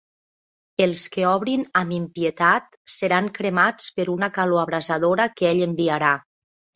Els que obrin amb impietat seran cremats per una calor abrasadora que Ell enviarà.